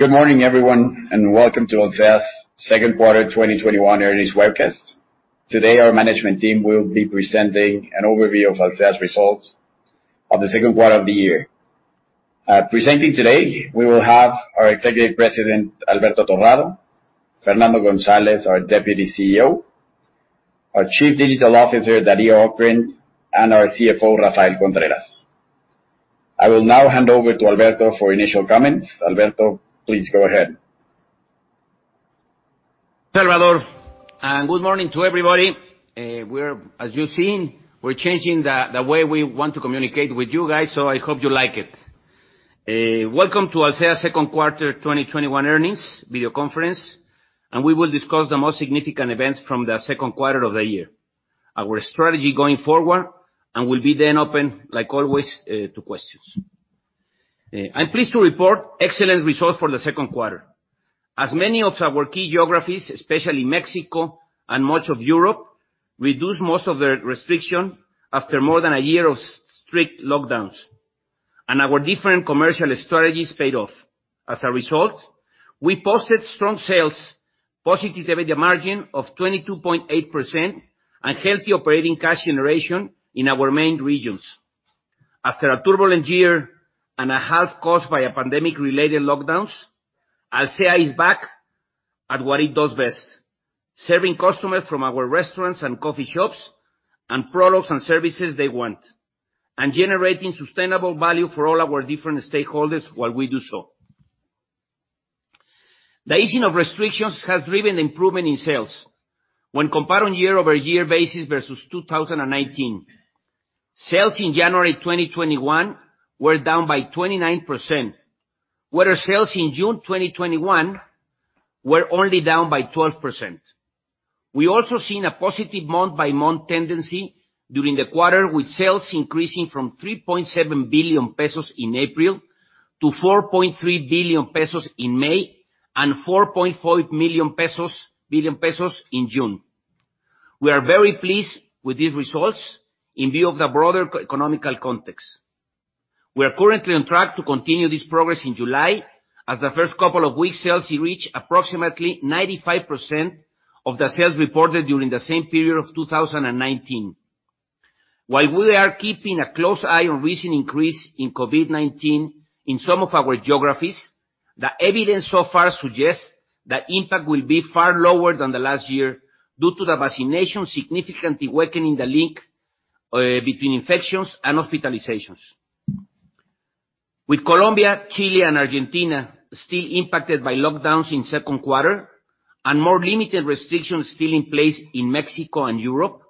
Good morning, everyone, and welcome to Alsea's 2nd quarter 2021 earnings webcast. Today, our management team will be presenting an overview of Alsea's results of the 2nd quarter of the year. Presenting today, we will have our Executive President, Alberto Torrado, Fernando González, our Deputy CEO, our Chief Digital Officer, Darío Okrent, and our CFO, Rafael Contreras. I will now hand over to Alberto for initial comments. Alberto, please go ahead. Salvador, good morning to everybody. As you've seen, we're changing the way we want to communicate with you guys, so I hope you like it. Welcome to Alsea's second quarter 2021 earnings video conference. We will discuss the most significant events from the second quarter of the year, our strategy going forward. We'll be then open, like always, to questions. I'm pleased to report excellent results for the second quarter. As many of our key geographies, especially Mexico and much of Europe, reduced most of their restriction after more than a year of strict lockdowns, and our different commercial strategies paid off. As a result, we posted strong sales, positive EBITDA margin of 22.8%, and healthy operating cash generation in our main regions. After a turbulent year and a half caused by pandemic-related lockdowns, Alsea is back at what it does best, serving customers from our restaurants and coffee shops and products and services they want, and generating sustainable value for all our different stakeholders while we do so. The easing of restrictions has driven improvement in sales. When comparing year-over-year basis versus 2019, sales in January 2021 were down by 29%, where our sales in June 2021 were only down by 12%. We also seen a positive month-by-month tendency during the quarter, with sales increasing from 3.7 billion pesos in April to 4.3 billion pesos in May and 4.4 billion pesos in June. We are very pleased with these results in view of the broader economic context. We are currently on track to continue this progress in July, as the first couple of weeks' sales reached approximately 95% of the sales reported during the same period of 2019. While we are keeping a close eye on recent increase in COVID-19 in some of our geographies, the evidence so far suggests the impact will be far lower than the last year due to the vaccination significantly weakening the link between infections and hospitalizations. With Colombia, Chile, and Argentina still impacted by lockdowns in second quarter and more limited restrictions still in place in Mexico and Europe,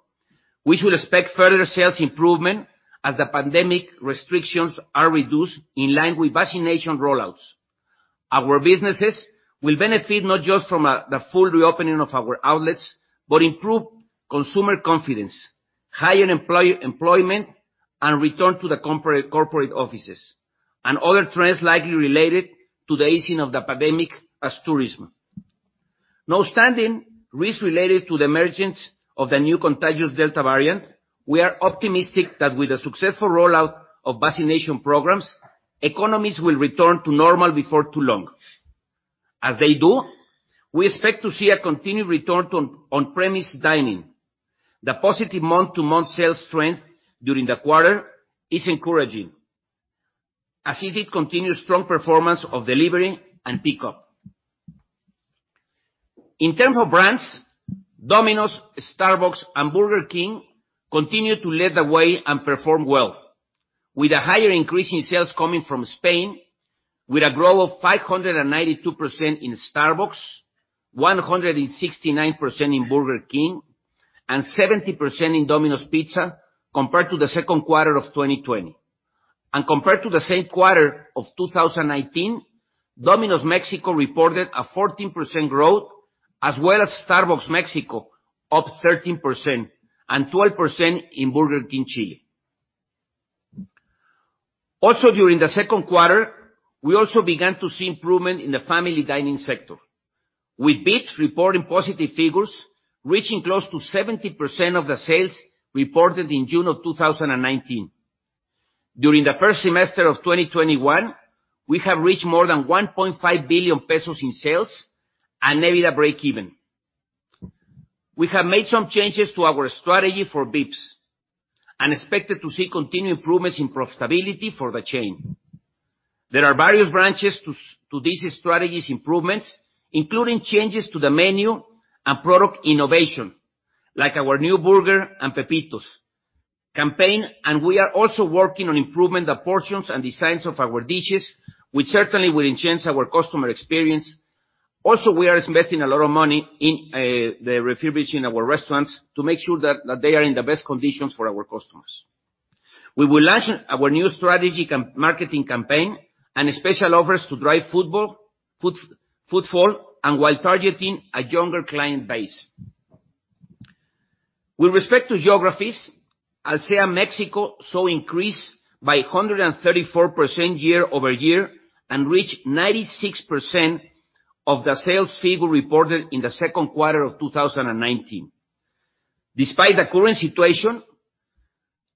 we should expect further sales improvement as the pandemic restrictions are reduced in line with vaccination rollouts. Our businesses will benefit not just from the full reopening of our outlets, but improved consumer confidence, higher employment, and return to the corporate offices, and other trends likely related to the easing of the pandemic as tourism. Notwithstanding risks related to the emergence of the new contagious Delta variant, we are optimistic that with the successful rollout of vaccination programs, economies will return to normal before too long. As they do, we expect to see a continued return to on-premise dining. The positive month-to-month sales strength during the quarter is encouraging as it hit continuous strong performance of delivery and pickup. In terms of brands, Domino's, Starbucks, and Burger King continue to lead the way and perform well, with a higher increase in sales coming from Spain, with a growth of 592% in Starbucks, 169% in Burger King, and 70% in Domino's Pizza compared to the second quarter of 2020. Compared to the same quarter of 2019, Domino's Mexico reported a 14% growth, as well as Starbucks Mexico, up 13%, and 12% in Burger King Chile. During the second quarter, we also began to see improvement in the family dining sector, with Vips reporting positive figures reaching close to 70% of the sales reported in June of 2019. During the first semester of 2021, we have reached more than 1.5 billion pesos in sales and EBITDA breakeven. We have made some changes to our strategy for Vips and expected to see continued improvements in profitability for the chain. There are various branches to these strategies improvements, including changes to the menu and product innovation, like our new burger and Pepitos campaign. We are also working on improving the portions and designs of our dishes, which certainly will enhance our customer experience. Also, we are investing a lot of money in the refurbishing of our restaurants to make sure that they are in the best conditions for our customers. We will launch our new strategy marketing campaign and special offers to drive footfall and while targeting a younger client base. With respect to geographies, Alsea Mexico saw increase by 134% year-over-year and reached 96% of the sales figure reported in the second quarter of 2019. Despite the current situation,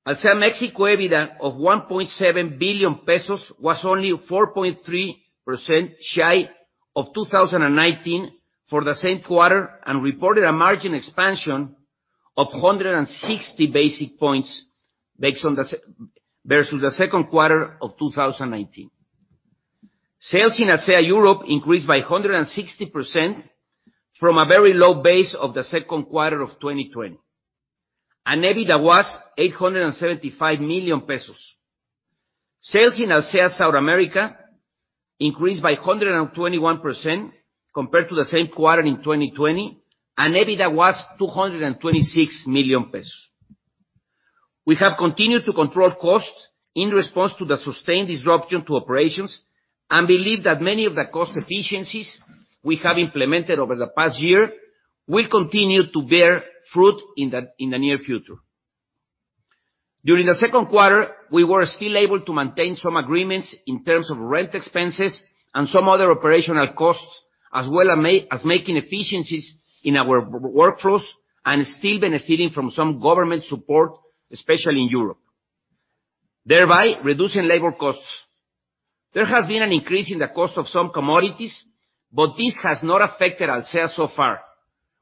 Alsea Mexico EBITDA of 1.7 billion pesos was only 4.3% shy of 2019 for the same quarter, and reported a margin expansion of 160 basis points versus the second quarter of 2019. Sales in Alsea Europe increased by 160% from a very low base of the second quarter of 2020, and EBITDA was 875 million pesos. Sales in Alsea South America increased by 121% compared to the same quarter in 2020, and EBITDA was 226 million pesos. We have continued to control costs in response to the sustained disruption to operations, and believe that many of the cost efficiencies we have implemented over the past year will continue to bear fruit in the near future. During the second quarter, we were still able to maintain some agreements in terms of rent expenses and some other operational costs, as well as making efficiencies in our workflows and still benefiting from some government support, especially in Europe, thereby reducing labor costs. There has been an increase in the cost of some commodities, but this has not affected Alsea so far,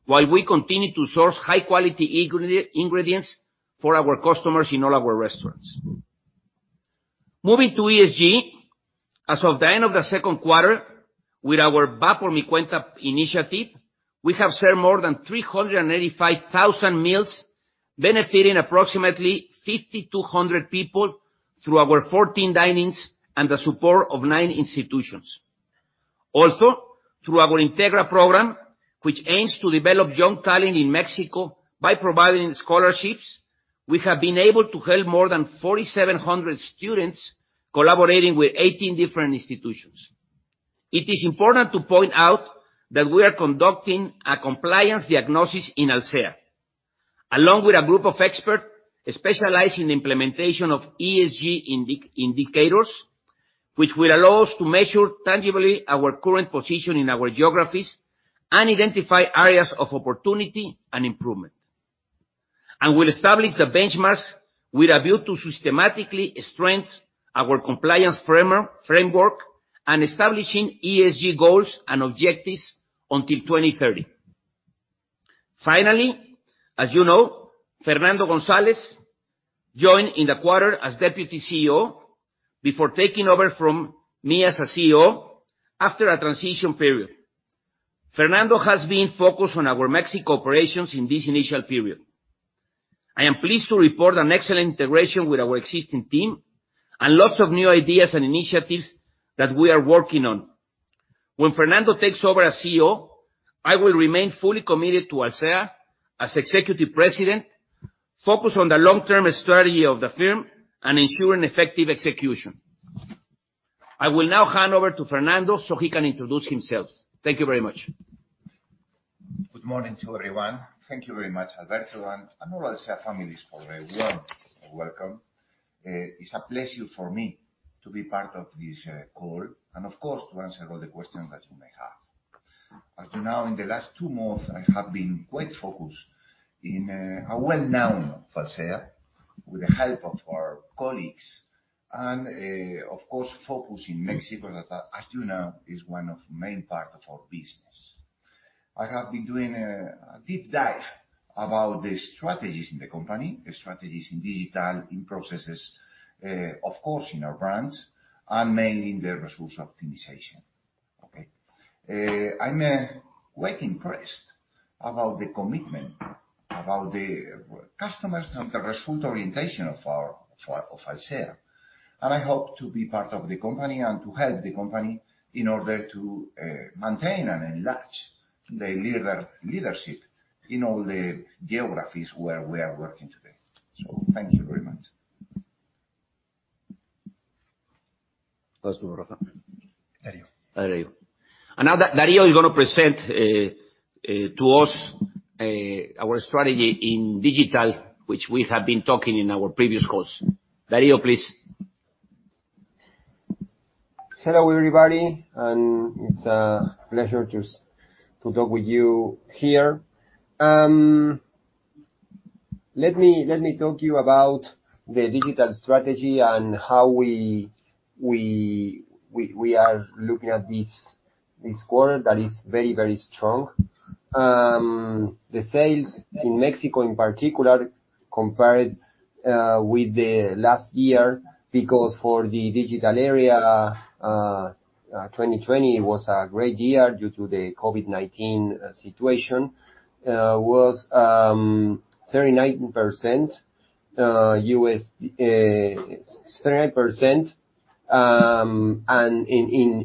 while we continue to source high-quality ingredients for our customers in all our restaurants. Moving to ESG. As of the end of the second quarter, with our Va por mi Cuenta initiative, we have served more than 385,000 meals, benefiting approximately 5,200 people through our 14 dine-ins and the support of nine institutions. Also, through our Integra program, which aims to develop young talent in Mexico by providing scholarships, we have been able to help more than 4,700 students collaborating with 18 different institutions. It is important to point out that we are conducting a compliance diagnosis in Alsea along with a group of experts specialized in the implementation of ESG indicators, which will allow us to measure tangibly our current position in our geographies and identify areas of opportunity and improvement. We'll establish the benchmarks with a view to systematically strengthen our compliance framework and establishing ESG goals and objectives until 2030. Finally, as you know, Fernando González joined in the quarter as Deputy CEO before taking over from me as a CEO after a transition period. Fernando has been focused on our Mexico operations in this initial period. I am pleased to report an excellent integration with our existing team and lots of new ideas and initiatives that we are working on. When Fernando takes over as CEO, I will remain fully committed to Alsea as Executive President, focused on the long-term strategy of the firm and ensuring effective execution. I will now hand over to Fernando so he can introduce himself. Thank you very much. Good morning to everyone. Thank you very much, Alberto, and all Alsea families for a warm welcome. It's a pleasure for me to be part of this call and, of course, to answer all the questions that you may have. As you know, in the last two months, I have been quite focused in well-known Alsea with the help of our colleagues and, of course, focused in Mexico that, as you know, is one of the main part of our business. I have been doing a deep dive about the strategies in the company, the strategies in digital, in processes, of course, in our brands, and mainly in the resource optimization. Okay. I'm quite impressed about the commitment about the customers and the result orientation of Alsea. I hope to be part of the company and to help the company in order to maintain and enlarge the leadership in all the geographies where we are working today. Thank you very much. Now Darío is going to present to us our strategy in digital, which we have been talking in our previous calls. Darío, please. Hello, everybody, it's a pleasure to talk with you here. Let me talk you about the digital strategy and how we are looking at this quarter that is very strong. The sales in Mexico, in particular, compared with the last year, because for the digital area, 2020 was a great year due to the COVID-19 situation, was 39% and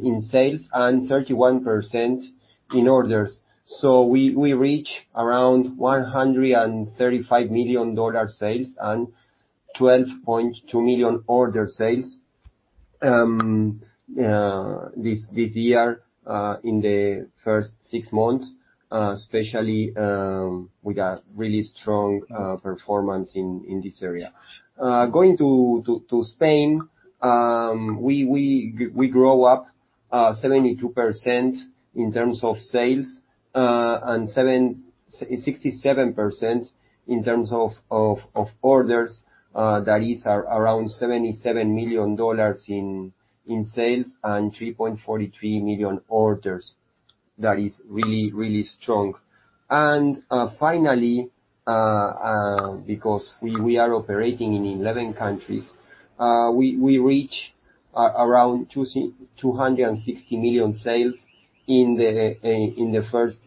in sales and 31% in orders. We reach around $135 million sales and 12.2 million order sales this year in the first six months, especially, we got really strong performance in this area. Going to Spain, we grow up 72% in terms of sales, and 67% in terms of orders. That is around $77 million in sales and 3.43 million orders. That is really, really strong. Finally, because we are operating in 11 countries, we reach around 260 million sales in the first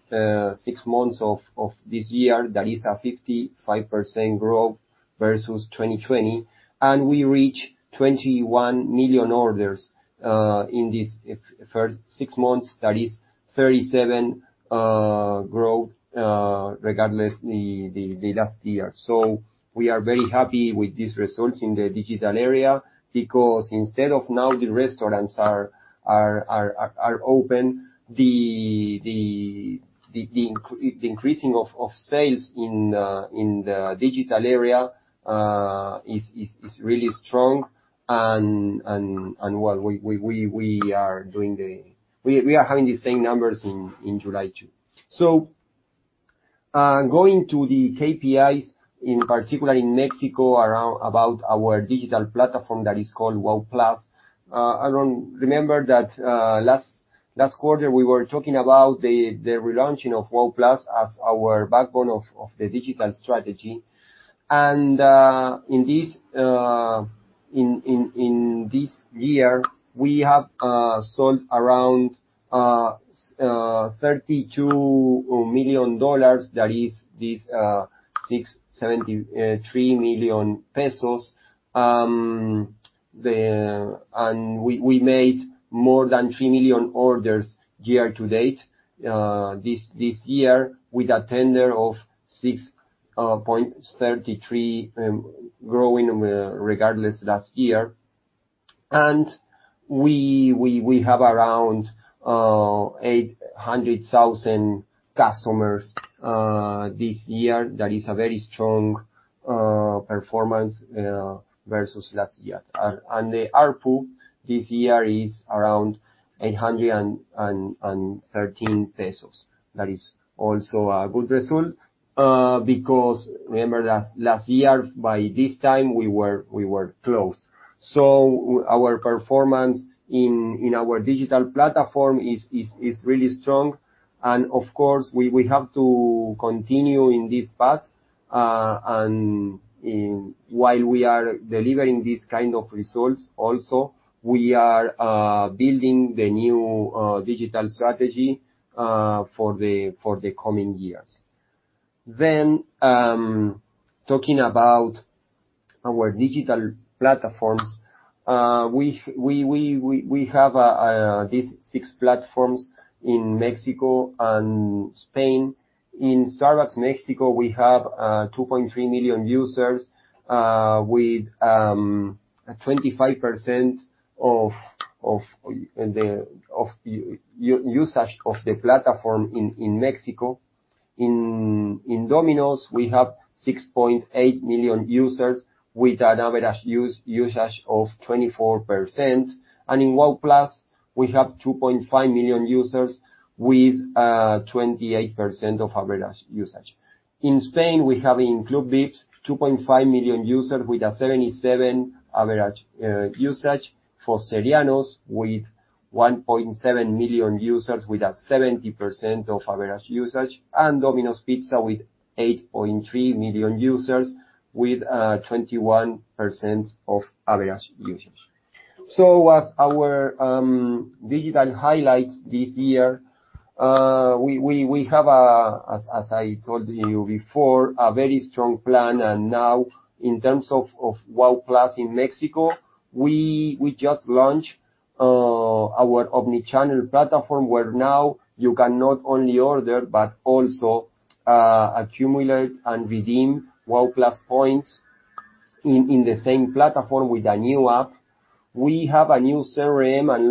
six months of this year. That is a 55% growth versus 2020. We reach 21 million orders in this first six months. That is 37% growth regardless the last year. We are very happy with these results in the digital area, because instead of now the restaurants are open, the increasing of sales in the digital area is really strong, and we are having the same numbers in July, too. Going to the KPIs, in particular in Mexico, about our digital platform that is called WOW+. Remember that last quarter, we were talking about the relaunching of WOW+ as our backbone of the digital strategy. In this year, we have sold around $32 million. That is this 673 million pesos. We made more than 3 million orders year to date, this year, with a tender of 6.33, growing regardless last year. We have around 800,000 customers this year. That is a very strong performance versus last year. The ARPU this year is around 813 pesos. That is also a good result, because remember that last year by this time, we were closed. Our performance in our digital platform is really strong, and of course, we have to continue in this path. While we are delivering this kind of results also, we are building the new digital strategy for the coming years. Talking about our digital platforms, we have these six platforms in Mexico and Spain. In Starbucks Mexico, we have 2.3 million users, with 25% of usage of the platform in Mexico. In Domino's, we have 6.8 million users with an average usage of 24%. In WOW+, we have 2.5 million users with 28% of average usage. In Spain, we have, in Club Vips, 2.5 million users with a 77% average usage. Fosterianos, with 1.7 million users with a 70% of average usage, and Domino's Pizza with 8.3 million users with 21% of average usage. As our digital highlights this year, we have, as I told you before, a very strong plan. In terms of WOW+ in Mexico, we just launched our omni-channel platform where now you can not only order, but also accumulate and redeem WOW+ points in the same platform with a new app. We have a new CRM and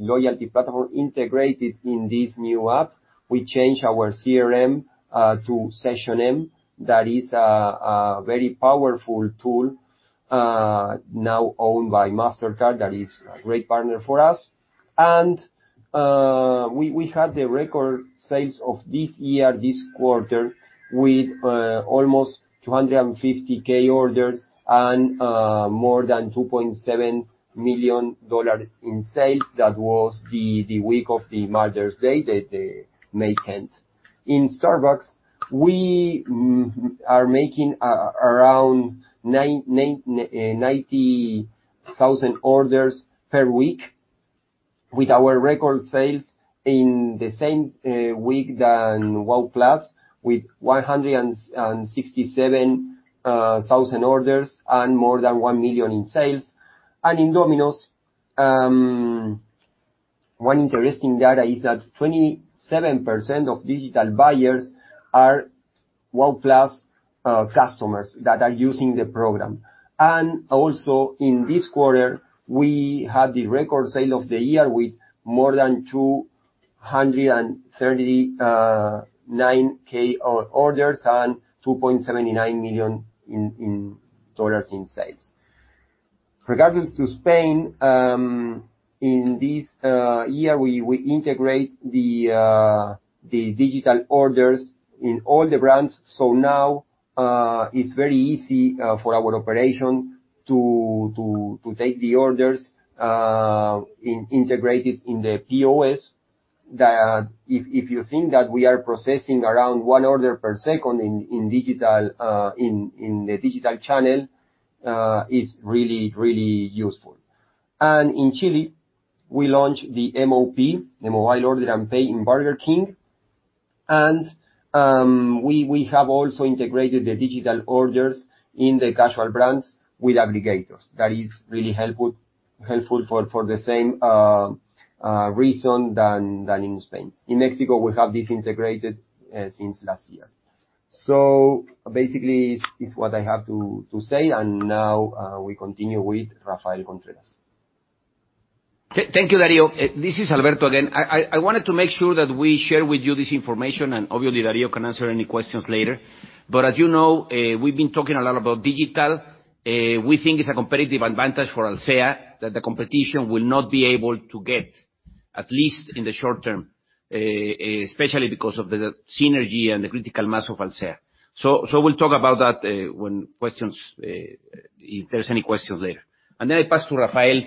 loyalty platform integrated in this new app. We changed our CRM to SessionM. That is a very powerful tool now owned by Mastercard, that is a great partner for us. We had the record sales of this year, this quarter, with almost 250,000 orders and more than $2.7 million in sales. That was the week of the Mother's Day, the May 10th. In Starbucks, we are making around 90,000 orders per week with our record sales in the same week than WOW+, with 167,000 orders and more than $1 million in sales. In Domino's, one interesting data is that 27% of digital buyers are WOW+ customers that are using the program. Also in this quarter, we had the record sale of the year with more than 239,000 orders and $2.79 million in sales. Regardless to Spain, in this year, we integrate the digital orders in all the brands. Now, it's very easy for our operation to take the orders integrated in the POS. If you think that we are processing around one order per second in the digital channel, it's really useful. In Chile, we launched the MOP, the Mobile Order and Pay in Burger King. We have also integrated the digital orders in the casual brands with aggregators. That is really helpful for the same reason than in Spain. In Mexico, we have this integrated since last year. Basically, it's what I have to say, and now we continue with Rafael Contreras. Thank you, Darío. This is Alberto again. I wanted to make sure that we share with you this information. Obviously, Darío can answer any questions later. As you know, we've been talking a lot about digital. We think it's a competitive advantage for Alsea, that the competition will not be able to get, at least in the short term, especially because of the synergy and the critical mass of Alsea. We'll talk about that if there's any questions later. I pass to Rafael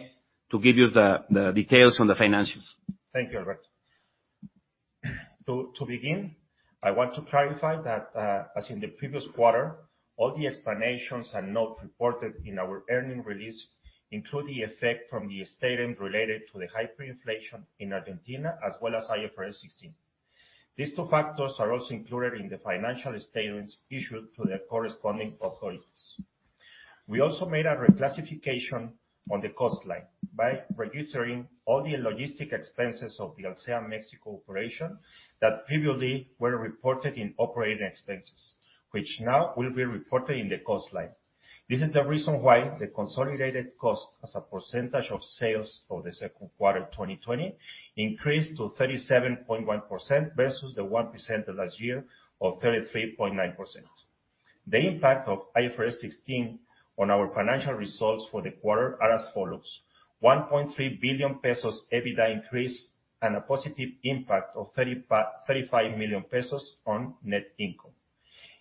to give you the details on the financials. Thank you, Alberto. To begin, I want to clarify that, as in the previous quarter, all the explanations and notes reported in our earnings release include the effect from the statements related to the hyperinflation in Argentina, as well as IFRS 16. These two factors are also included in the financial statements issued to the corresponding authorities. We also made a reclassification on the cost line by reducing all the logistics expenses of the Alsea Mexico operation that previously were reported in operating expenses, which now will be reported in the cost line. This is the reason why the consolidated cost as a percentage of sales for the second quarter 2020 increased to 37.1% versus 1% of last year, or 33.9%. The impact of IFRS 16 on our financial results for the quarter are as follows: 1.3 billion pesos EBITDA increase and a positive impact of 35 million pesos on net income.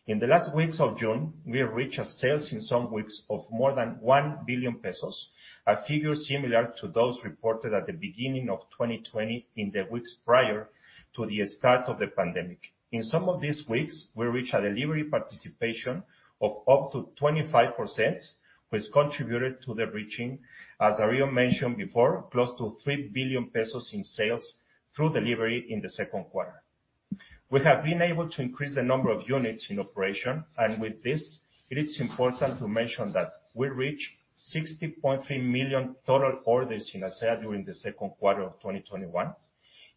In the last weeks of June, we reached a sales in some weeks of more than 1 billion pesos, a figure similar to those reported at the beginning of 2020 in the weeks prior to the start of the pandemic. In some of these weeks, we reach a delivery participation of up to 25%, which contributed to the reaching, as Darío mentioned before, close to 3 billion pesos in sales through delivery in the second quarter. We have been able to increase the number of units in operation, and with this, it is important to mention that we reached 60.3 million total orders in Alsea during the second quarter of 2021.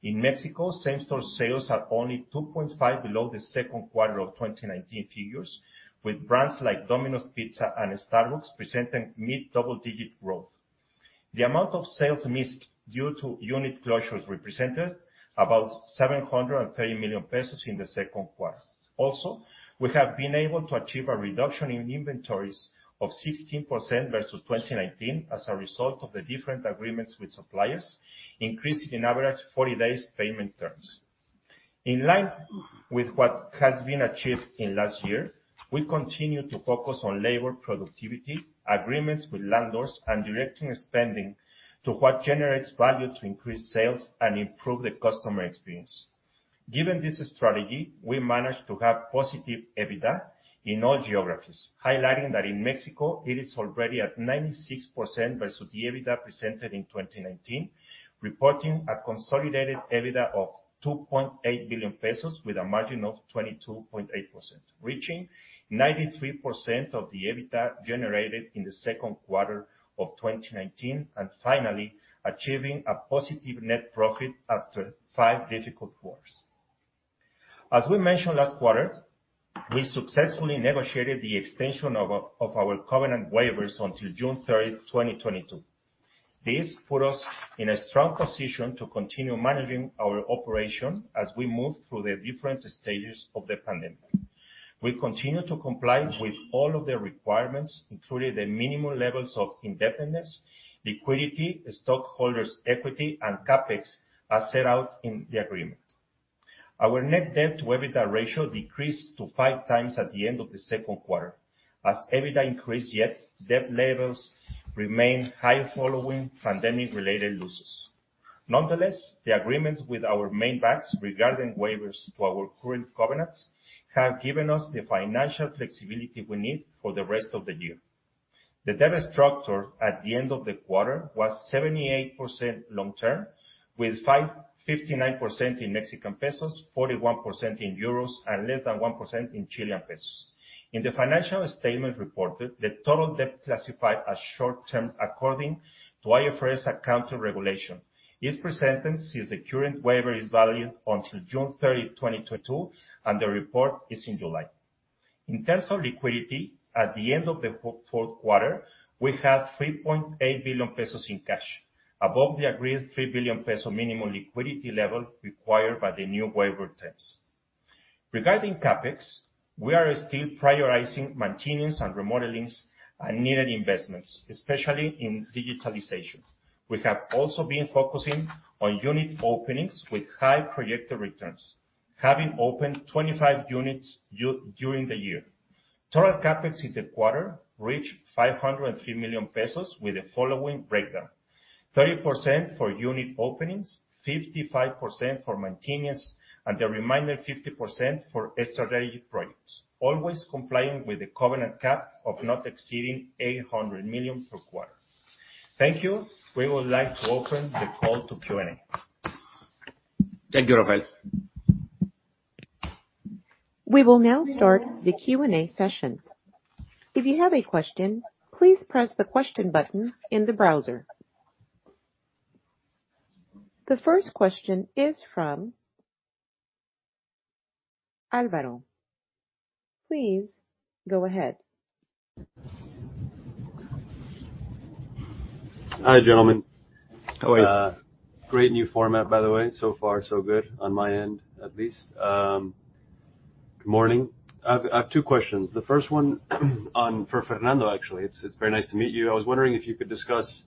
In Mexico, same store sales are only 2.5% below the second quarter of 2019 figures, with brands like Domino's Pizza and Starbucks presenting mid-double digit growth. The amount of sales missed due to unit closures represented about 730 million pesos in the second quarter. We have been able to achieve a reduction in inventories of 16% versus 2019 as a result of the different agreements with suppliers, increasing in average 40 days payment terms. In line with what has been achieved in last year, we continue to focus on labor productivity, agreements with landlords, and directing spending to what generates value to increase sales and improve the customer experience. Given this strategy, we managed to have positive EBITDA in all geographies, highlighting that in Mexico, it is already at 96% versus the EBITDA presented in 2019, reporting a consolidated EBITDA of 2.8 billion pesos with a margin of 22.8%, reaching 93% of the EBITDA generated in the second quarter of 2019, and finally, achieving a positive net profit after five difficult quarters. As we mentioned last quarter, we successfully negotiated the extension of our covenant waivers until June 3rd, 2022. This put us in a strong position to continue managing our operation as we move through the different stages of the pandemic. We continue to comply with all of the requirements, including the minimum levels of independence, liquidity, stockholders' equity, and CapEx, as set out in the agreement. Our net debt to EBITDA ratio decreased to 5x at the end of the second quarter. As EBITDA increased, yet debt levels remain high following pandemic-related losses. Nonetheless, the agreements with our main banks regarding waivers to our current covenants have given us the financial flexibility we need for the rest of the year. The debt structure at the end of the quarter was 78% long-term, with 59% in Mexican pesos, 41% in euros, and less than 1% in Chilean pesos. In the financial statement reported, the total debt classified as short-term according to IFRS accounting regulation is presented since the current waiver is valid until June 30, 2022, and the report is in July. In terms of liquidity, at the end of the fourth quarter, we had 3.8 billion pesos in cash, above the agreed 3 billion peso minimum liquidity level required by the new waiver terms. Regarding CapEx, we are still prioritizing maintenance and remodelings and needed investments, especially in digitalization. We have also been focusing on unit openings with high projected returns, having opened 25 units during the year. Total CapEx in the quarter reached 503 million pesos with the following breakdown: 30% for unit openings, 55% for maintenance, and the remaining 50% for strategic projects, always complying with the covenant cap of not exceeding 800 million per quarter. Thank you. We would like to open the call to Q&A. Thank you, Rafael. We will now start the Q&A session. If you have a question, please press the question button in the browser. The first question is from Alvaro. Please go ahead. Hi, gentlemen. How are you? Great new format, by the way. So far, so good on my end, at least. Good morning. I have two questions. The first one is for Fernando, actually. It's very nice to meet you. I was wondering if you could discuss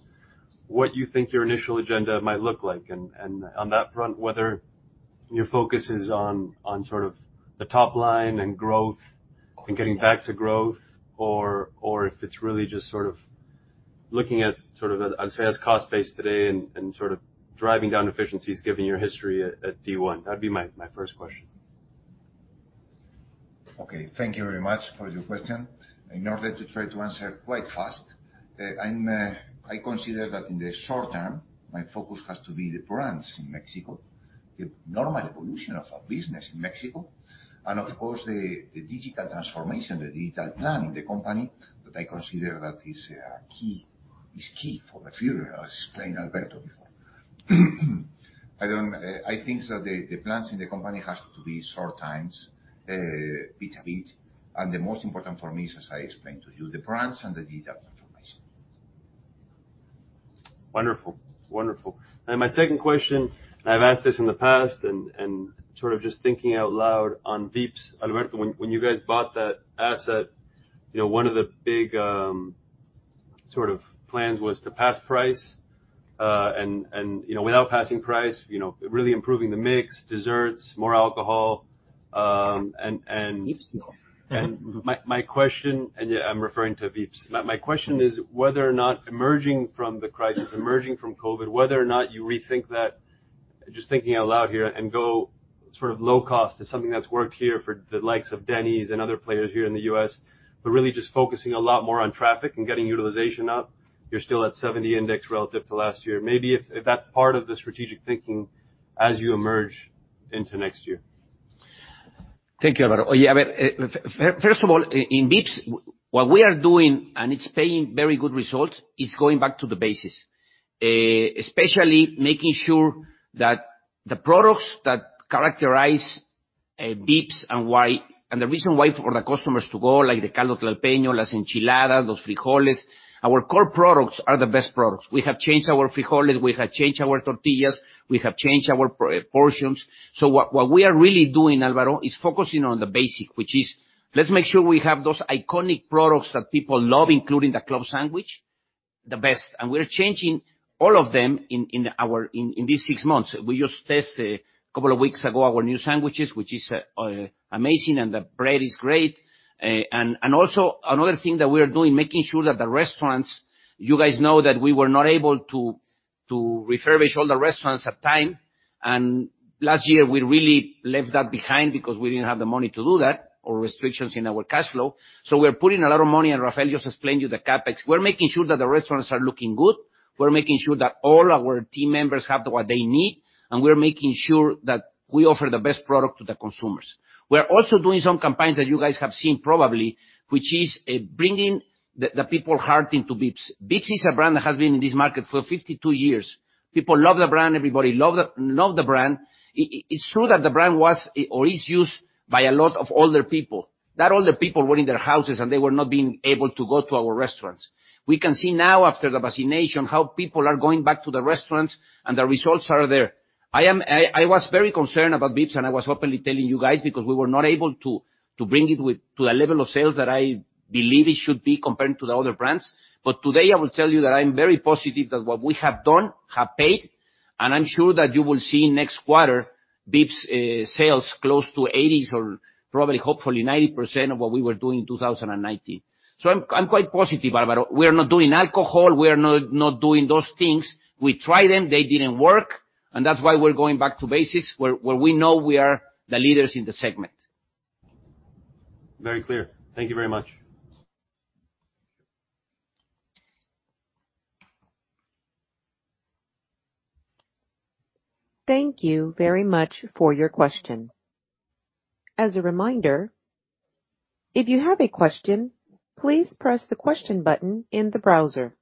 what you think your initial agenda might look like, and on that front, whether your focus is on the top line and growth and getting back to growth, or if it's really just looking at, I'd say as cost base today and driving down efficiencies given your history at D1. That'd be my first question. Okay. Thank you very much for your question. In order to try to answer quite fast, I consider that in the short term, my focus has to be the brands in Mexico, the normal evolution of our business in Mexico, and of course, the digital transformation, the digital plan in the company that I consider that is key for the future, as explained Alberto before. I think that the plans in the company has to be short times, bit a bit, and the most important for me is, as I explained to you, the brands and the digital transformation. Wonderful. My second question, and I've asked this in the past and just thinking out loud on Vips. Alberto, when you guys bought that asset, one of the big plans was to pass price, and without passing price, really improving the mix, desserts, more alcohol. Vips, no. My question, and yeah, I'm referring to Vips. My question is whether or not emerging from the crisis, emerging from COVID, whether or not you rethink that, just thinking out loud here, and go low cost is something that's worked here for the likes of Denny's and other players here in the U.S., but really just focusing a lot more on traffic and getting utilization up. You're still at 70 index relative to last year. Maybe if that's part of the strategic thinking as you emerge into next year. Thank you, Alvaro. First of all, in Vips, what we are doing, and it's paying very good results, is going back to the basics. Especially making sure that the products that characterize Vips and the reason why for the customers to go, like the caldo tlalpeño, las enchiladas, los frijoles, our core products are the best products. We have changed our frijoles, we have changed our tortillas, we have changed our portions. What we are really doing, Alvaro, is focusing on the basic, which is let's make sure we have those iconic products that people love, including the club sandwich, the best. We're changing all of them in these six months. We just tested a couple of weeks ago, our new sandwiches, which is amazing, and the bread is great. Another thing that we are doing, making sure that the restaurants, you guys know that we were not able to refurbish all the restaurants at time. Last year, we really left that behind because we didn't have the money to do that or restrictions in our cash flow. We're putting a lot of money, and Rafael just explained to you the CapEx. We're making sure that the restaurants are looking good. We're making sure that all our team members have what they need, and we're making sure that we offer the best product to the consumers. We're also doing some campaigns that you guys have seen probably, which is bringing the people heart into Vips. Vips is a brand that has been in this market for 52 years. People love the brand. Everybody love the brand. It's true that the brand was or is used by a lot of older people. That older people were in their houses, and they were not being able to go to our restaurants. We can see now after the vaccination, how people are going back to the restaurants, and the results are there. I was very concerned about Vips, and I was openly telling you guys because we were not able to bring it to the level of sales that I believe it should be compared to the other brands. Today, I will tell you that I'm very positive that what we have done have paid, and I'm sure that you will see next quarter Vips sales close to 80% or probably, hopefully 90% of what we were doing in 2019. I'm quite positive, Alvaro. We are not doing alcohol. We are not doing those things. We tried them, they didn't work, and that's why we're going back to basics, where we know we are the leaders in the segment. Very clear. Thank you very much. Thank you very much for your question. As a reminder, if you have a question, please press the Question button in the browser.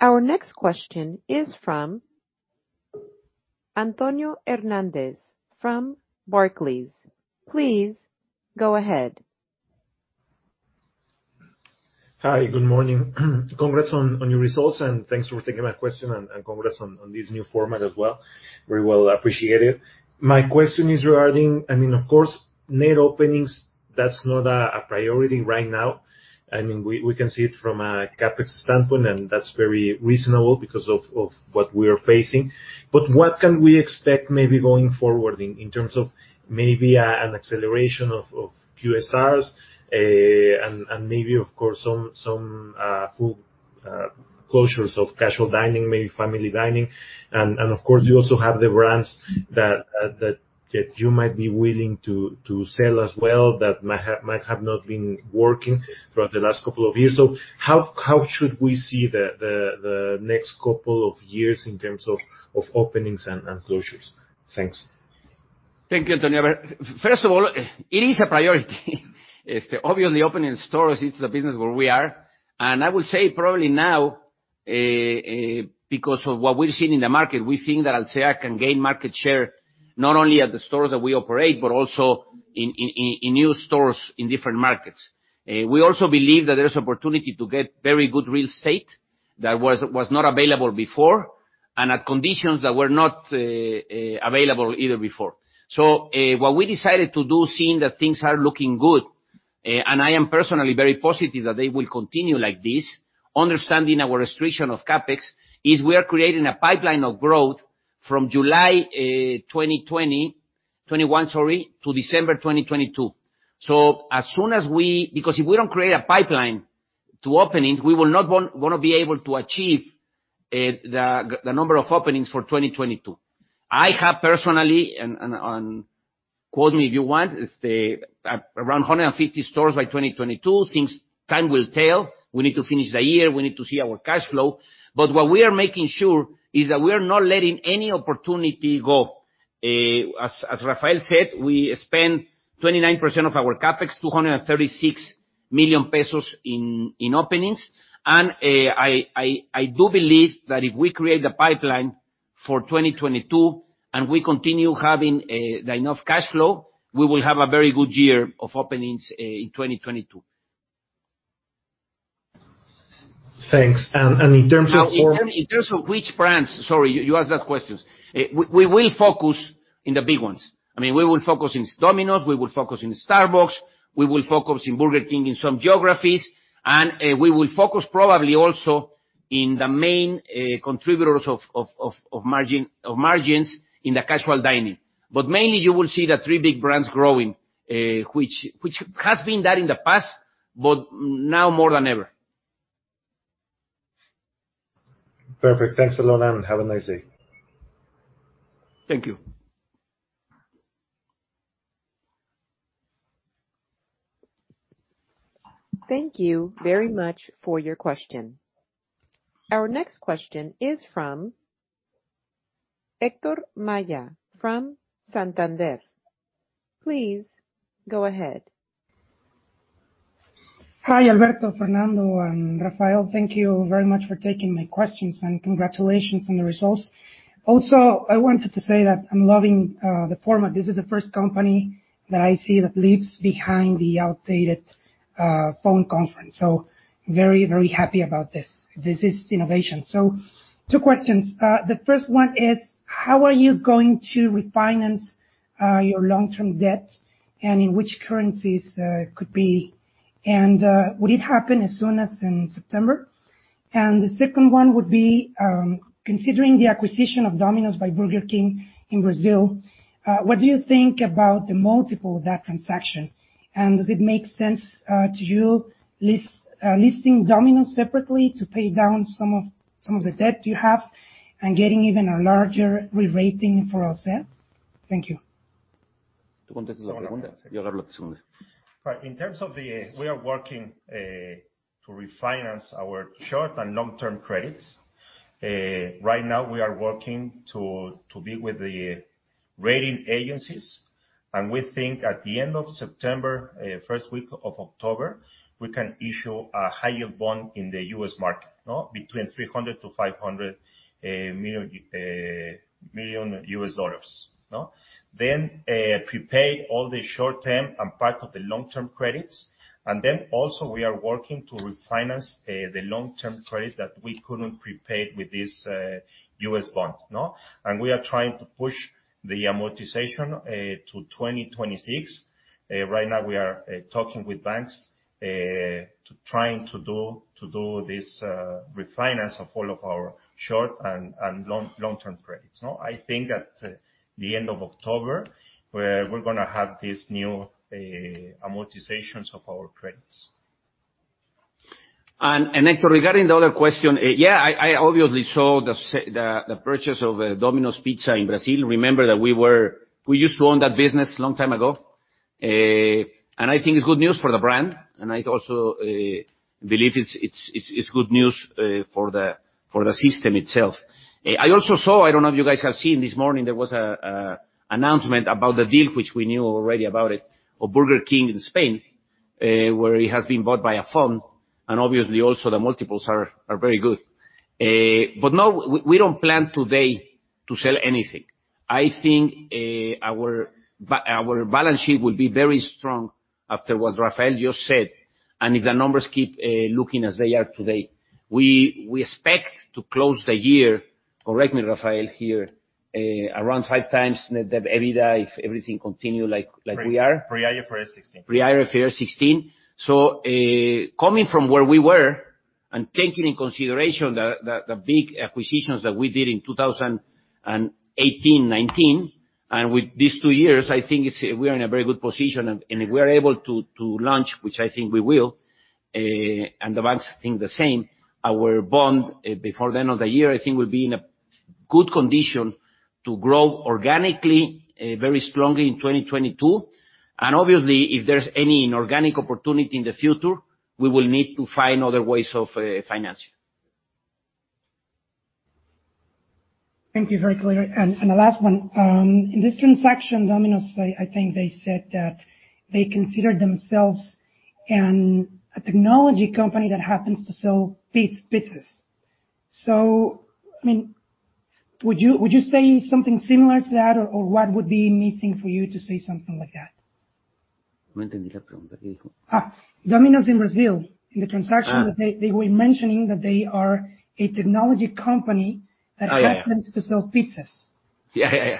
Our next question is from Antonio Hernandez from Barclays. Please go ahead. Hi, good morning. Congrats on your results, and thanks for taking my question and congrats on this new format as well. Very well appreciated. My question is regarding, of course, net openings, that's not a priority right now. We can see it from a CapEx standpoint. That's very reasonable because of what we are facing. What can we expect maybe going forward in terms of maybe an acceleration of QSRs, and maybe, of course, some full closures of casual dining, maybe family dining. Of course, you also have the brands that you might be willing to sell as well, that might have not been working throughout the last couple of years. How should we see the next couple of years in terms of openings and closures? Thanks. Thank you, Antonio. First of all, it is a priority. Obviously, opening stores, it's the business where we are. I will say probably now, because of what we've seen in the market, we think that Alsea can gain market share, not only at the stores that we operate, but also in new stores in different markets. We also believe that there's opportunity to get very good real estate that was not available before, and at conditions that were not available either before. What we decided to do, seeing that things are looking good, and I am personally very positive that they will continue like this, understanding our restriction of CapEx, is we are creating a pipeline of growth from July 2021 to December 2022. Because if we don't create a pipeline to openings, we will not want to be able to achieve the number of openings for 2022. I have personally, and quote me if you want, around 150 stores by 2022. Things, time will tell. We need to finish the year. We need to see our cash flow. What we are making sure is that we are not letting any opportunity go. As Rafael said, we spend 29% of our CapEx, 236 million pesos in openings. I do believe that if we create the pipeline for 2022, and we continue having enough cash flow, we will have a very good year of openings in 2022. Thanks. In terms of which brands, sorry, you asked that question. We will focus in the big ones. We will focus in Domino's, we will focus in Starbucks, we will focus in Burger King in some geographies, and we will focus probably also in the main contributors of margins in the casual dining. Mainly you will see the three big brands growing, which has been that in the past, but now more than ever. Perfect. Thanks a lot, and have a nice day. Thank you. Thank you very much for your question. Our next question is from Hector Maya from Santander. Please go ahead. Hi, Alberto, Fernando, and Rafael. Thank you very much for taking my questions, congratulations on the results. I wanted to say that I'm loving the format. This is the first company that I see that leaves behind the outdated phone conference. Very happy about this. This is innovation. Two questions. The first one is, how are you going to refinance your long-term debt, in which currencies could be? Would it happen as soon as in September? The second one would be, considering the acquisition of Domino's by Burger King in Brazil, what do you think about the multiple of that transaction? Does it make sense to you listing Domino's separately to pay down some of the debt you have and getting even a larger re-rating for Alsea? Thank you. Do you want to answer that question? I'll answer. You'll answer the second one. Right. We are working to refinance our short and long-term credits. Right now, we are working to be with the rating agencies. We think at the end of September, first week of October, we can issue a high yield bond in the U.S. market. Between $300 million-$500 million. Prepaid all the short-term and part of the long-term credits. Also we are working to refinance the long-term credit that we couldn't prepay with this U.S. bond. We are trying to push the amortization to 2026. Right now we are talking with banks, trying to do this refinance of all of our short and long-term credits. I think at the end of October, we're going to have these new amortizations of our credits. Hector, regarding the other question, I obviously saw the purchase of Domino's Pizza in Brazil. Remember that we used to own that business long time ago. I think it's good news for the brand, and I also believe it's good news for the system itself. I also saw, I don't know if you guys have seen, this morning there was an announcement about the deal, which we knew already about it, of Burger King in Spain, where it has been bought by a firm, and obviously also the multiples are very good. No, we don't plan today to sell anything. I think our balance sheet will be very strong after what Rafael just said, and if the numbers keep looking as they are today. We expect to close the year, correct me, Rafael, here, around 5x net that EBITDA, if everything continue like we are. Pre-IFRS 16. Pre-IFRS 16. Coming from where we were and taking in consideration the big acquisitions that we did in 2018, 2019, and with these two years, I think we are in a very good position. If we are able to launch, which I think we will, and the banks think the same, our bond before the end of the year, I think we'll be in a good condition to grow organically, very strongly in 2022. Obviously, if there's any inorganic opportunity in the future, we will need to find other ways of financing. Thank you. Very clear. The last one. In this transaction, Domino's, I think they said that they considered themselves a technology company that happens to sell pizzas. Would you say something similar to that, or what would be missing for you to say something like that? They were mentioning that they are a technology company. Oh, yeah. Happens to sell pizzas. Yeah.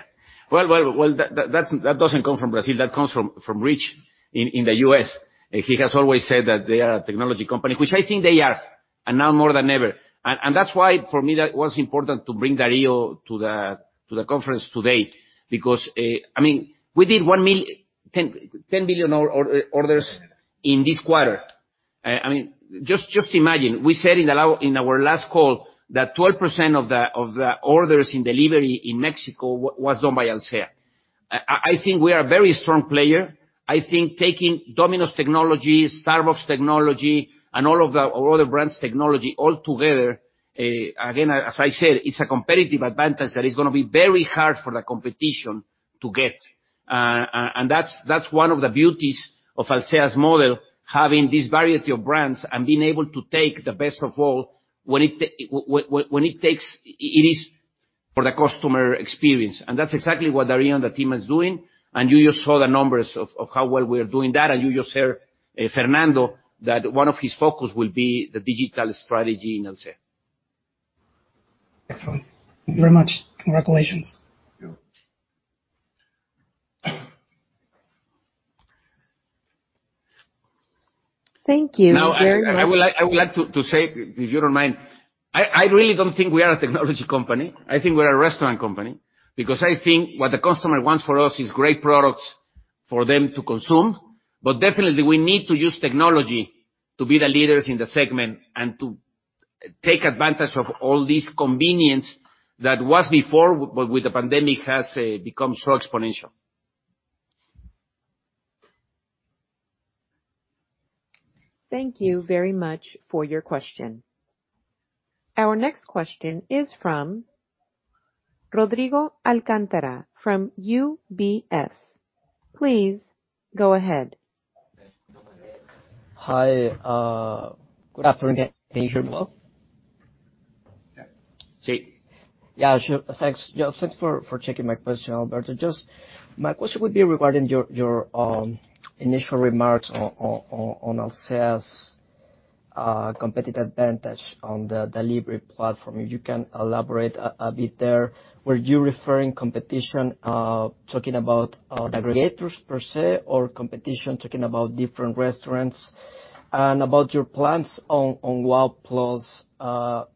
Well, that doesn't come from Brazil, that comes from Rich in the U.S. He has always said that they are a technology company, which I think they are, and now more than ever. That's why, for me, that was important to bring Darío to the conference today because we did 10 billion orders in this quarter. Just imagine, we said in our last call that 12% of the orders in delivery in Mexico was done by Alsea. I think we are a very strong player. I think taking Domino's technology, Starbucks technology, and all the other brands' technology altogether, again, as I said, it's a competitive advantage that is going to be very hard for the competition to get. That's one of the beauties of Alsea's model, having this variety of brands and being able to take the best of all when it takes it is for the customer experience. That's exactly what Darío and the team is doing, and you just saw the numbers of how well we are doing that, and you just heard Fernando, that one of his focus will be the digital strategy in Alsea. Excellent. Thank you very much. Congratulations. Thank you. Thank you very much. I would like to say, if you don't mind, I really don't think we are a technology company. I think we're a restaurant company. I think what the customer wants for us is great products for them to consume. Definitely, we need to use technology to be the leaders in the segment and to take advantage of all this convenience that was before, but with the pandemic has become so exponential. Thank you very much for your question. Our next question is from Rodrigo Alcantara from UBS. Please go ahead. Hi. Good afternoon. Can you hear me well? Yes. Yeah, sure. Thanks for taking my question, Alberto. Just my question would be regarding your initial remarks on Alsea's competitive advantage on the delivery platform. If you can elaborate a bit there. Were you referring competition, talking about the aggregators per se, or competition, talking about different restaurants? About your plans on WOW+,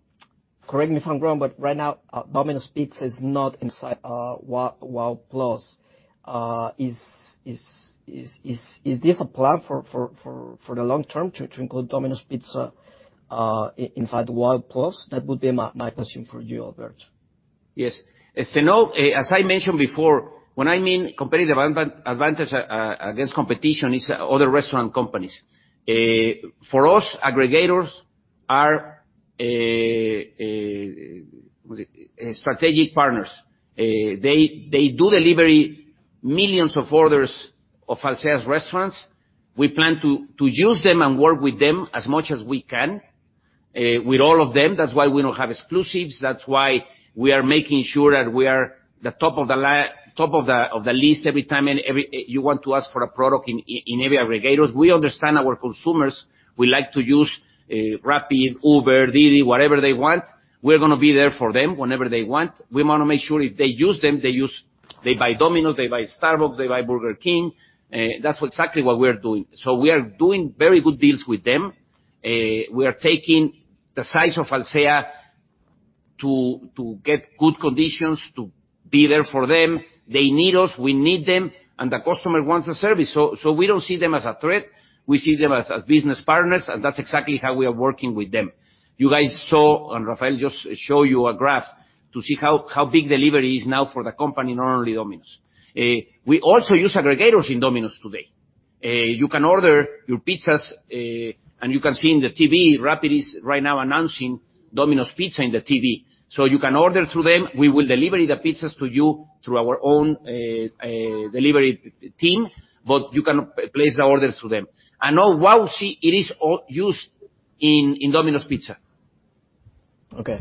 correct me if I'm wrong, but right now, Domino's Pizza is not inside WOW+. Is this a plan for the long term to include Domino's Pizza inside WOW+? That would be my question for you, Alberto. Yes. As I mentioned before, when I mean competitive advantage against competition, it's other restaurant companies. For us, aggregators are strategic partners. They do delivery millions of orders of Alsea's restaurants. We plan to use them and work with them as much as we can, with all of them. That's why we don't have exclusives. That's why we are making sure that we are the top of the list every time you want to ask for a product in every aggregator. We understand our consumers would like to use Rappi, Uber, DiDi, whatever they want. We're going to be there for them whenever they want. We want to make sure if they use them, they buy Domino's, they buy Starbucks, they buy Burger King. That's exactly what we're doing. We are doing very good deals with them. We are taking the size of Alsea to get good conditions to be there for them. They need us, we need them, and the customer wants the service. We don't see them as a threat. We see them as business partners. That's exactly how we are working with them. You guys saw, and Rafael just showed you a graph to see how big delivery is now for the company, not only Domino's. We also use aggregators in Domino's today. You can order your pizzas, and you can see in the TV, Rappi is right now announcing Domino's Pizza in the TV. You can order through them. We will deliver the pizzas to you through our own delivery team, but you can place the orders through them. Now WOW see it is used in Domino's Pizza. Okay.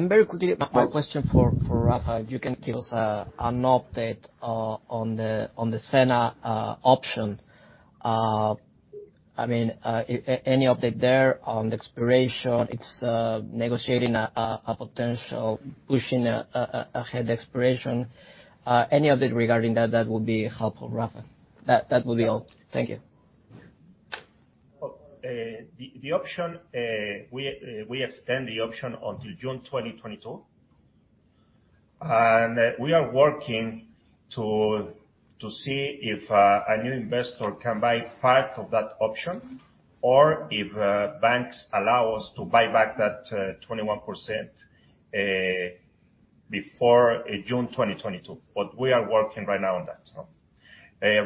Very quickly, my question for Rafa, if you can give us an update on the Zena option. Any update there on the expiration? It's negotiating a potential pushing ahead the expiration. Any update regarding that would be helpful, Rafa. That would be all. Thank you. The option, we extend the option until June 2022. We are working to see if a new investor can buy part of that option or if banks allow us to buy back that 21% before June 2022. We are working right now on that.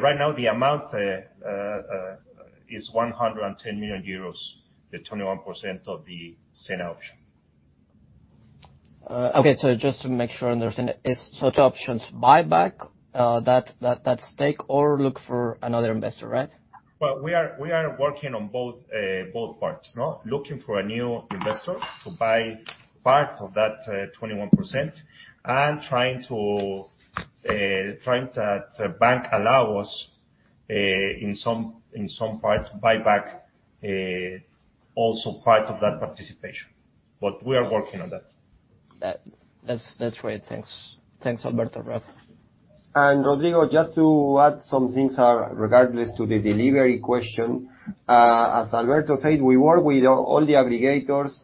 Right now, the amount is 110 million euros, the 21% of the Zena option. Okay, just to make sure I understand. Such options, buy back that stake or look for another investor, right? Well, we are working on both parts. Looking for a new investor to buy part of that 21% and trying to bank allow us in some parts buy back also part of that participation. We are working on that. That's great. Thanks, Alberto. Rafa. Rodrigo, just to add some things regardless to the delivery question. As Alberto said, we work with all the aggregators,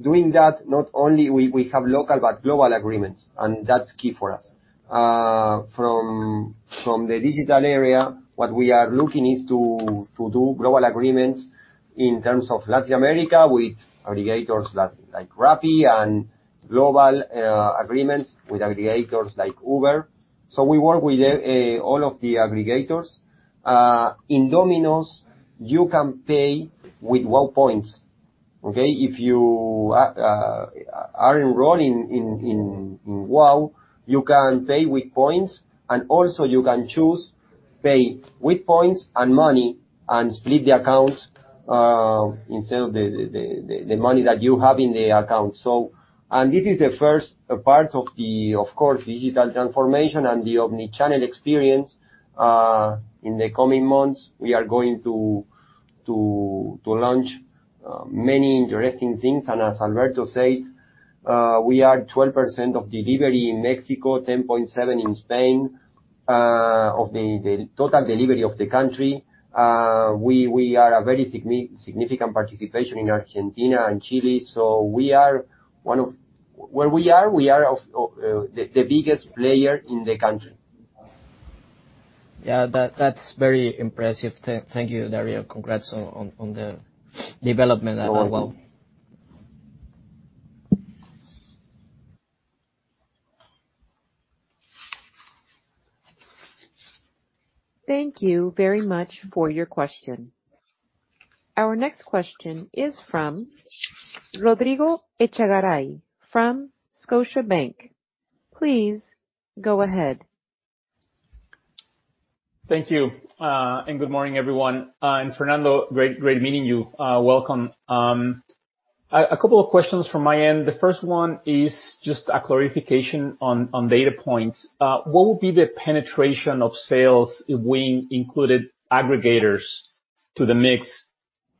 doing that not only we have local but global agreements, that's key for us. From the digital area, what we are looking is to do global agreements in terms of Latin America with aggregators like Rappi, global agreements with aggregators like Uber. We work with all of the aggregators. In Domino's, you can pay with WOW points. If you are enrolled in WOW, you can pay with points, also you can choose pay with points and money and split the account instead of the money that you have in the account. This is the first part of the, of course, digital transformation and the omnichannel experience. In the coming months, we are going to launch many interesting things. As Alberto said, we are 12% of delivery in Mexico, 10.7% in Spain, of the total delivery of the country. We are a very significant participation in Argentina and Chile, so where we are, we are the biggest player in the country. Yeah, that's very impressive. Thank you, Darío. Congrats on the development at WOW+. Thank you very much for your question. Our next question is from Rodrigo Echagaray from Scotiabank. Please go ahead. Thank you, good morning, everyone. Fernando, great meeting you. Welcome. A couple of questions from my end. The first one is just a clarification on data points. What would be the penetration of sales if we included aggregators to the mix?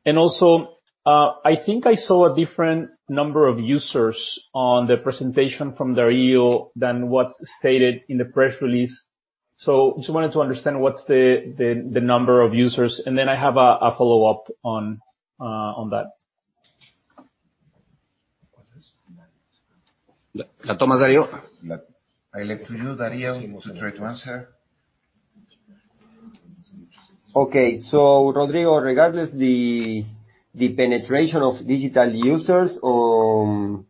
Also, I think I saw a different number of users on the presentation from Darío than what's stated in the press release. Just wanted to understand what's the number of users, and then I have a follow-up on that. I leave to you, Darío, to try to answer. Okay, Rodrigo, regardless the penetration of digital users or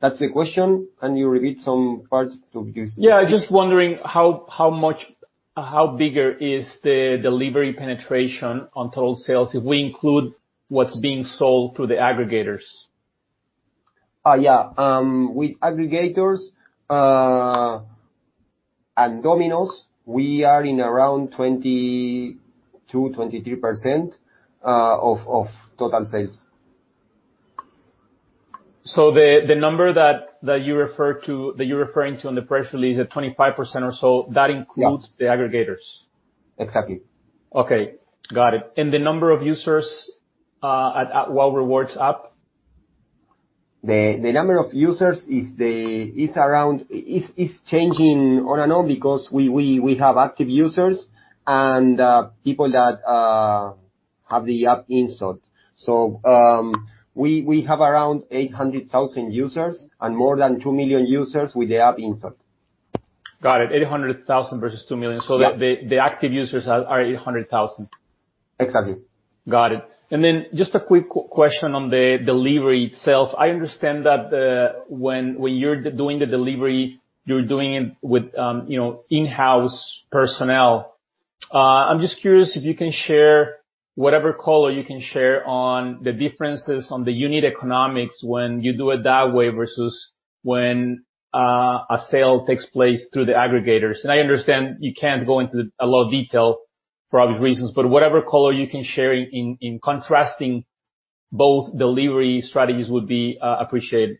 That's the question. Yeah, just wondering how bigger is the delivery penetration on total sales if we include what's being sold to the aggregators? Yeah. With aggregators at Domino's, we are in around 22, 23% of total sales. The number that you're referring to on the press release at 25% or so. Yeah. The aggregators. Exactly. Okay. Got it. The number of users at WOW Rewards app? The number of users is changing on and on because we have active users and people that have the app installed. We have around 800,000 users and more than 2 million users with the app installed. Got it, 800,000 versus 2 million. Yeah. The active users are 800,000. Exactly. Got it. Then just a quick question on the delivery itself. I understand that when you're doing the delivery, you're doing it with in-house personnel. I'm just curious if you can share whatever color you can share on the differences on the unit economics when you do it that way versus when a sale takes place through the aggregators. I understand you can't go into a lot of detail for obvious reasons, but whatever color you can share in contrasting both delivery strategies would be appreciated.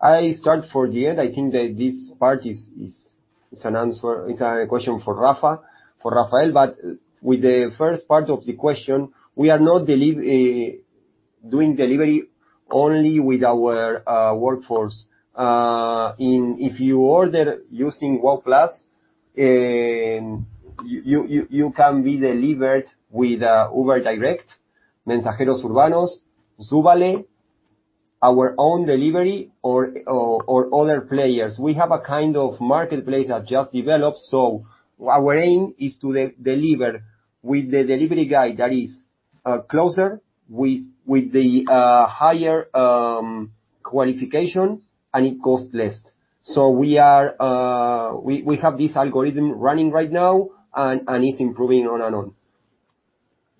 I start for the end. I think that this part is a question for Rafael. With the first part of the question, we are not doing delivery only with our workforce. If you order using WOW+, you can be delivered with Uber Direct, Mensajeros Urbanos, Zubale, our own delivery or other players. We have a kind of marketplace that just developed. Our aim is to deliver with the delivery guy that is closer, with the higher qualification, and it costs less. We have this algorithm running right now, and it's improving on and on.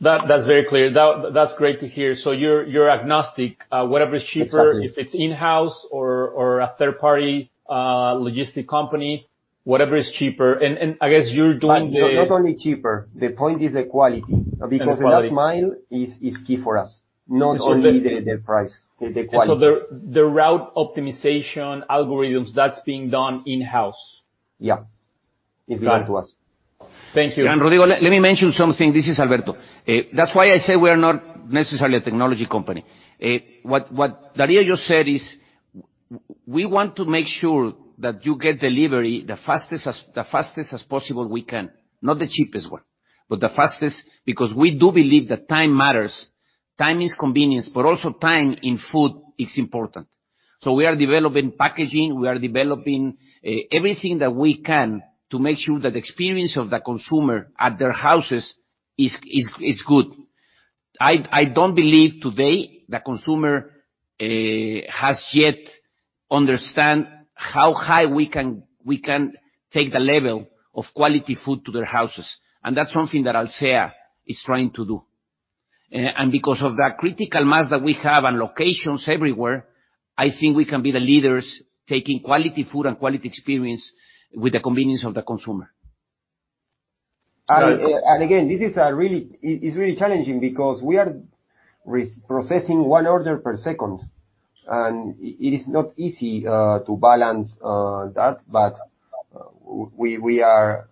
That's very clear. That's great to hear. You're agnostic. Whatever is cheaper. Exactly if it's in-house or a third-party logistics company, whatever is cheaper. Not only cheaper. The point is the quality. The quality. The last mile is key for us, not only the price, the quality. The route optimization algorithms, that's being done in-house? Yeah. It's billable to us. Thank you. Rodrigo, let me mention something. This is Alberto. That's why I say we are not necessarily a technology company. What Darío just said is, we want to make sure that you get delivery the fastest as possible we can. Not the cheapest one, but the fastest, because we do believe that time matters. Time is convenience, but also time in food is important. We are developing packaging, we are developing everything that we can to make sure that experience of the consumer at their houses is good. I don't believe today the consumer has yet understand how high we can take the level of quality food to their houses. That's something that Alsea is trying to do. Because of that critical mass that we have and locations everywhere, I think we can be the leaders taking quality food and quality experience with the convenience of the consumer. Again, this is really challenging because we are processing one order per second, and it is not easy to balance that, but we are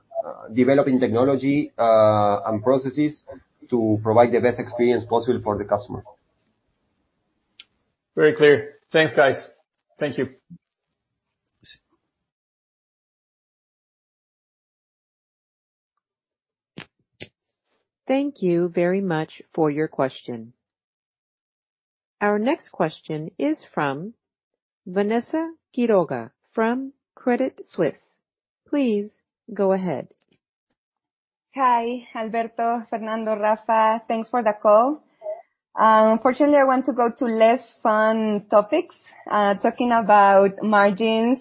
developing technology and processes to provide the best experience possible for the customer. Very clear. Thanks, guys. Thank you. Thank you very much for your question. Our next question is from Vanessa Quiroga from Credit Suisse. Please go ahead. Hi, Alberto, Fernando, Rafa. Thanks for the call. Unfortunately, I want to go to less fun topics, talking about margins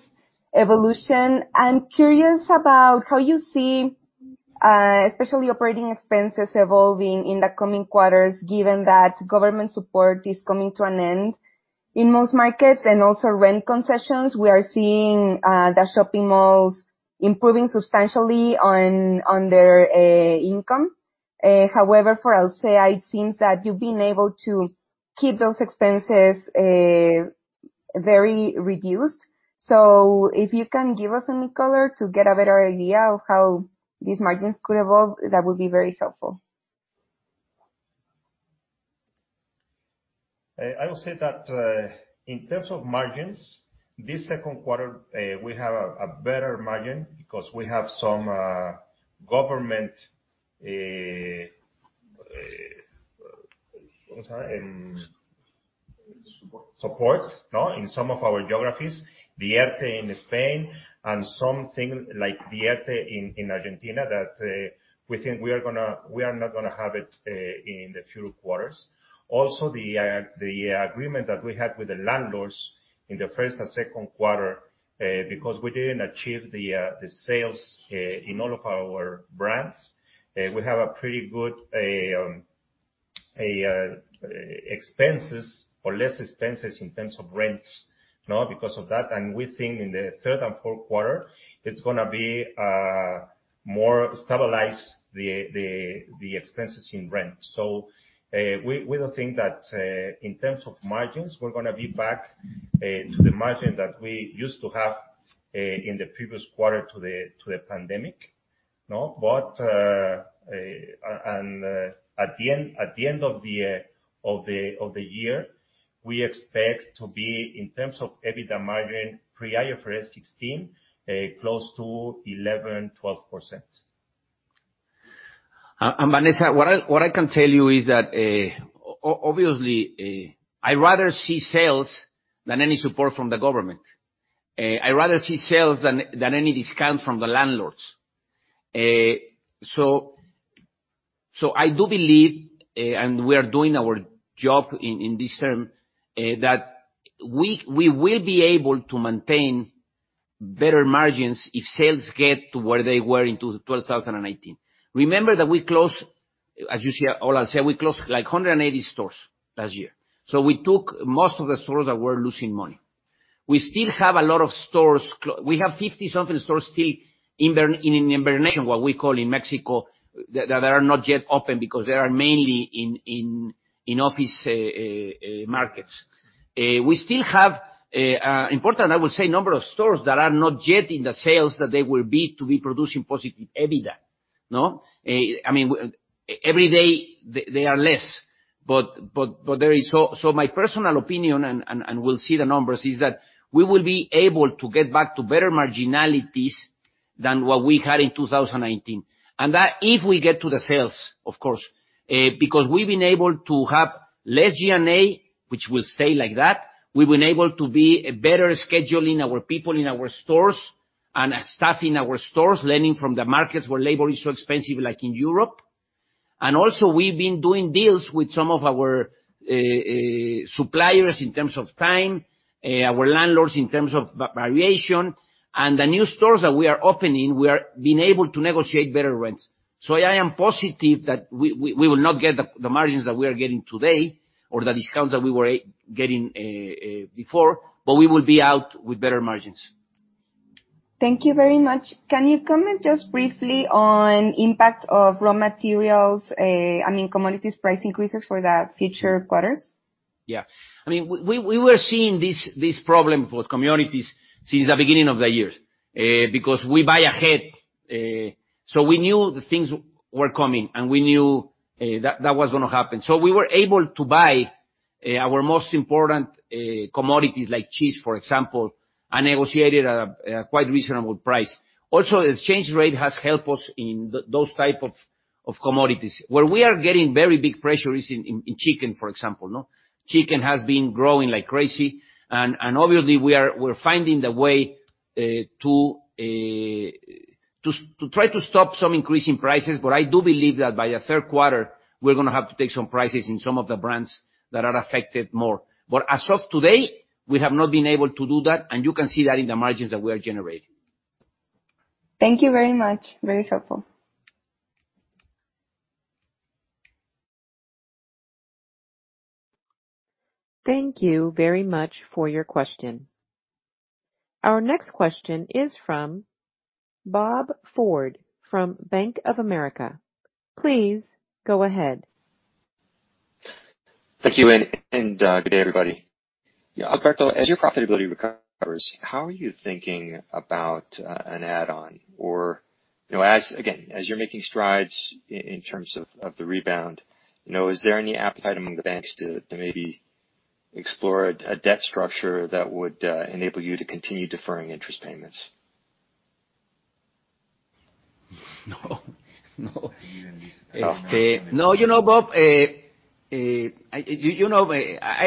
evolution. I'm curious about how you see especially operating expenses evolving in the coming quarters, given that government support is coming to an end in most markets and also rent concessions. We are seeing the shopping malls improving substantially on their income. For Alsea, it seems that you've been able to keep those expenses very reduced. If you can give us any color to get a better idea of how these margins could evolve, that would be very helpful. I would say that, in terms of margins, this second quarter, we have a better margin because we have some government, how to say? Support in some of our geographies, the ERTE in Spain and something like the ERTE in Argentina that we think we are not going to have it in the future quarters. The agreement that we had with the landlords in the first and second quarter, because we didn't achieve the sales in all of our brands, we have a pretty good expenses or less expenses in terms of rents because of that. We think in the third and fourth quarter, it's going to be more stabilized, the expenses in rent. We don't think that, in terms of margins, we're going to be back to the margin that we used to have, in the previous quarter to the pandemic. At the end of the year, we expect to be, in terms of EBITDA margin, pre IFRS 16, close to 11%, 12%. Vanessa, what I can tell you is that, obviously, I rather see sales than any support from the government. I rather see sales than any discount from the landlords. I do believe, and we are doing our job in this term, that we will be able to maintain better margins if sales get to where they were in 2019. Remember that we closed, as you see at Alsea, we closed 180 stores last year. We took most of the stores that were losing money. We still have a lot of stores, we have 50 something stores still in hibernation, what we call in Mexico, that are not yet open because they are mainly in office markets. We still have, important, I will say, number of stores that are not yet in the sales that they will be to be producing positive EBITDA. Every day they are less. My personal opinion, and we'll see the numbers, is that we will be able to get back to better marginalities than what we had in 2019, and that if we get to the sales, of course. We've been able to have less G&A, which will stay like that. We've been able to be better scheduling our people in our stores and staffing our stores, learning from the markets where labor is so expensive, like in Europe. Also we've been doing deals with some of our suppliers in terms of time, our landlords in terms of variation, and the new stores that we are opening, we are being able to negotiate better rents. I am positive that we will not get the margins that we are getting today or the discounts that we were getting before, but we will be out with better margins. Thank you very much. Can you comment just briefly on impact of raw materials, commodities price increases for the future quarters? Yeah. We were seeing this problem for commodities since the beginning of the year, because we buy ahead. We knew the things were coming, and we knew that was going to happen. We were able to buy our most important commodities, like cheese, for example, and negotiated at a quite reasonable price. Also, exchange rate has helped us in those type of commodities. Where we are getting very big pressure is in chicken, for example. Chicken has been growing like crazy, and obviously we're finding the way to try to stop some increase in prices. I do believe that by the third quarter, we're going to have to take some prices in some of the brands that are affected more. As of today, we have not been able to do that, and you can see that in the margins that we are generating. Thank you very much. Very helpful. Thank you very much for your question. Our next question is from Bob Ford from Bank of America. Please go ahead. Thank you. Good day, everybody. Alberto, as your profitability recovers, how are you thinking about an add-on? As, again, as you're making strides in terms of the rebound, is there any appetite among the banks to maybe explore a debt structure that would enable you to continue deferring interest payments? No. No. You know, Bob, I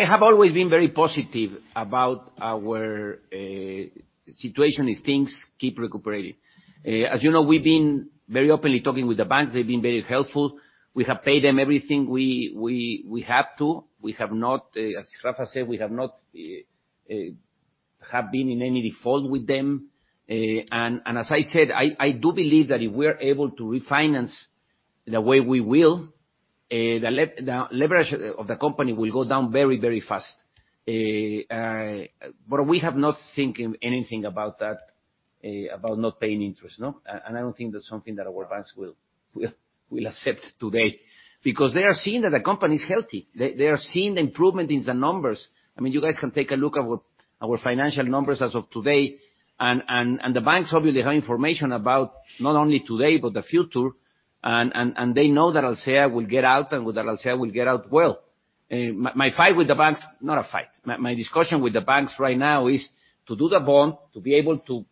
have always been very positive about our situation if things keep recuperating. You know, we've been very openly talking with the banks. They've been very helpful. We have paid them everything we have to. Rafa said, we have not been in any default with them. As I said, I do believe that if we're able to refinance the way we will, the leverage of the company will go down very fast. We have not thought anything about not paying interest. No. I don't think that's something that our banks will accept today, because they are seeing that the company is healthy. They are seeing the improvement in the numbers. You guys can take a look at our financial numbers as of today. The banks, obviously, they have information about not only today, but the future, and they know that Alsea will get out, and with Alsea will get out well. Not a fight. My discussion with the banks right now is to do the bond, to be able to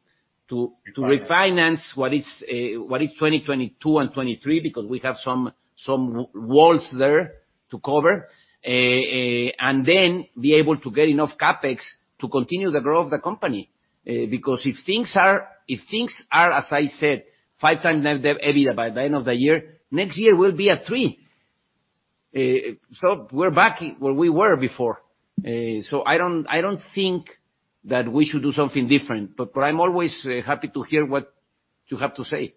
refinance what is 2022 and 2023, because we have some walls there to cover. Then be able to get enough CapEx to continue the growth of the company. If things are, as I said, 5x net debt EBITDA by the end of the year, next year will be at three. We're back where we were before. I don't think that we should do something different, but I'm always happy to hear what you have to say.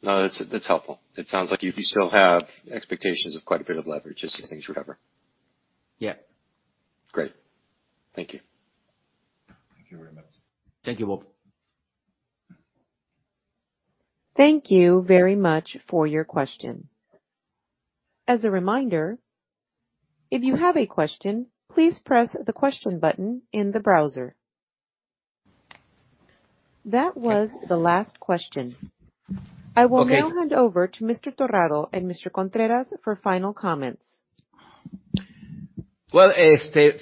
No, that's helpful. It sounds like you still have expectations of quite a bit of leverage as things recover. Yeah. Great. Thank you. Thank you very much. Thank you, Bob. Thank you very much for your question. As a reminder, if you have a question, please press the question button in the browser. That was the last question. Okay. I will now hand over to Mr. Torrado and Mr. Contreras for final comments. Well,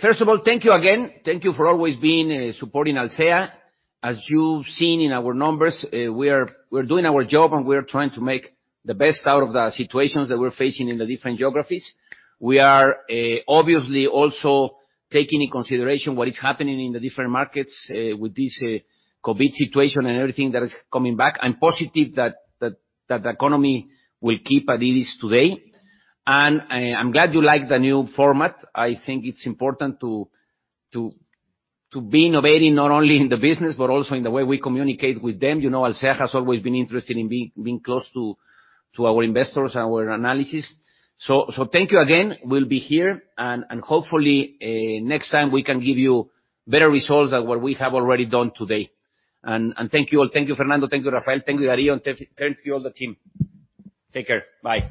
first of all, thank you again. Thank you for always being supporting Alsea. As you've seen in our numbers, we're doing our job, and we are trying to make the best out of the situations that we're facing in the different geographies. We are obviously also taking in consideration what is happening in the different markets with this COVID situation and everything that is coming back. I'm positive that the economy will keep as it is today. I'm glad you like the new format. I think it's important to be innovating not only in the business, but also in the way we communicate with them. Alsea has always been interested in being close to our investors and our analysts. Thank you again. We'll be here, and hopefully, next time we can give you better results than what we have already done today. Thank you all. Thank you, Fernando. Thank you, Rafael. Thank you, Ariel, and thank you all the team. Take care. Bye.